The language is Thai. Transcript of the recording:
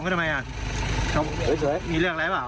ไม่ได้ไม่ได้